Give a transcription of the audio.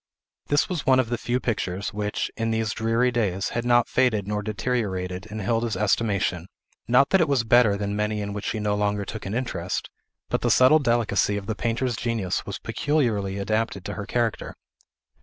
This was one of the few pictures, which, in these dreary days, had not faded nor deteriorated in Hilda's estimation; not that it was better than many in which she no longer took an interest; but the subtile delicacy of the painter's genius was peculiarly adapted to her character.